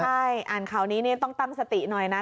ใช่อ่านข่าวนี้ต้องตั้งสติหน่อยนะ